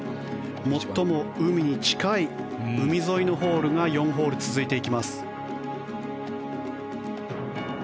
最も海に近い、海沿いのホールが４ホール続いていきます。